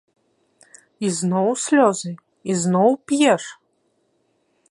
Ізноў слёзы, ізноў п'еш?